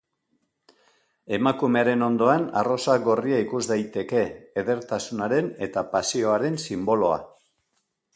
Emakumearen ondoan arrosa gorria ikus daiteke, edertasunaren eta pasioaren sinboloa.